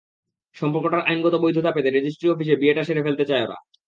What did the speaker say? সম্পর্কটার আইনগত বৈধতা পেতে রেজিস্ট্রি অফিসে বিয়েটা সেরে ফেলতে চায় ওরা।